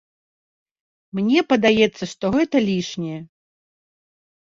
Мне падаецца, што гэта лішняе.